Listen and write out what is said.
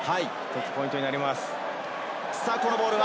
ポイントになります。